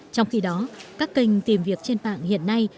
trong khi đó các kênh tìm việc trên mạng hiện nay